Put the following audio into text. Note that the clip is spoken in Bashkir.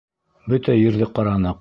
Бөтә ерҙе ҡараныҡ!